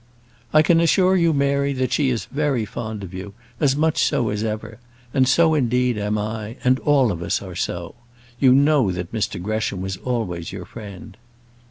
"I can assure you, Mary, that she is very fond of you, as much so as ever; and so, indeed, am I, and all of us are so. You know that Mr Gresham was always your friend."